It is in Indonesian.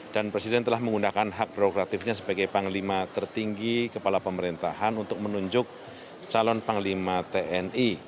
dan presiden telah menggunakan hak berlokatifnya sebagai panglima tertinggi kepala pemerintahan untuk menunjuk calon panglima tni